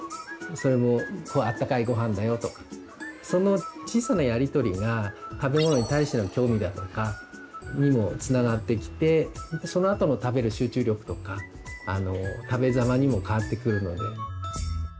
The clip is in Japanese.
その小さなやり取りが食べ物に対しての興味だとかにもつながってきてそのあとの食べる集中力とかあの食べざまにもかわってくるので。